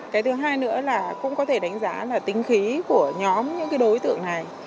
cái thứ hai nữa là cũng có thể đánh giá là tính khí của nhóm những đối tượng này